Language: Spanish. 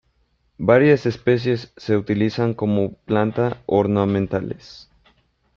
Varias especies se utilizan como planta ornamentales.